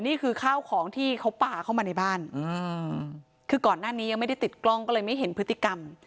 นี่คือข้าวของที่เขาป่าเข้ามาในบ้านคือก่อนหน้านี้ยังไม่ได้ติดกล้องก็เลยไม่เห็นพฤติกรรม